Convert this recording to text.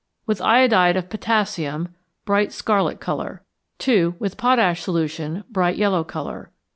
With iodide of potassium Bright scarlet colour. 2. With potash solution Bright yellow colour.